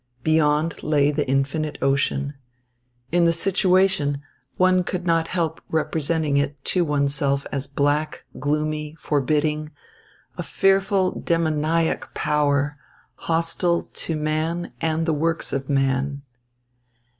Beyond lay the infinite ocean. In the situation, one could not help representing it to oneself as black, gloomy, forbidding, a fearful, demoniac power, hostile to man and the works of man.